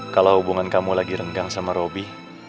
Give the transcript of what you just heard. kalau hubungan kamu lagi renggang sama roby